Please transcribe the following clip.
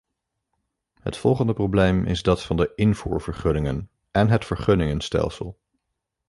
Het volgende probleem is dat van de invoervergunningen en het vergunningenstelsel.